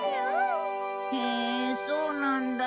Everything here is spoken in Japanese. へえそうなんだ。